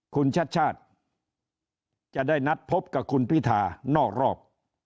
คุณชัดชาติจะได้นัดพบกับคุณพิธานอกรอบ